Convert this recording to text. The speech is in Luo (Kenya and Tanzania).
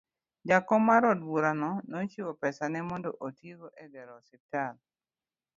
Jakom mar od burano nochiwo pesane mondo otigo e gero osiptal